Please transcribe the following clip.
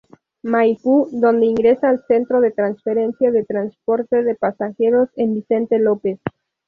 Maipú, donde ingresa al centro de transferencia de transporte de pasajeros en Vicente López.